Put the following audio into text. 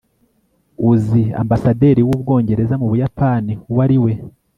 uzi ambasaderi w'ubwongereza mu buyapani uwo ari we